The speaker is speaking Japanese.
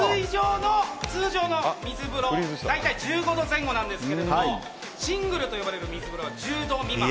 通常の水風呂、大体１５度前後なんですけれどもシングルと呼ばれる水風呂は１０度未満。